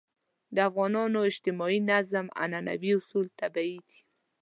د افغانانو اجتماعي نظم عنعنوي اصول طبیعي دي.